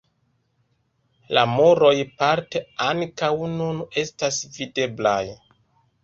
La muroj parte ankaŭ nun estas videblaj.